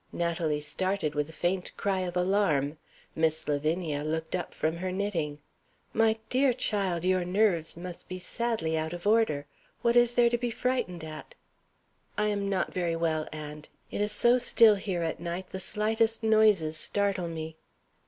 Natalie started with a faint cry of alarm. Miss Lavinia looked up from her knitting. "My dear child, your nerves must be sadly out of order. What is there to be frightened at?" "I am not very well, aunt. It is so still here at night, the slightest noises startle me."